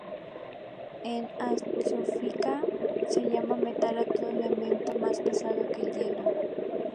En astrofísica se llama metal a todo elemento más pesado que el helio.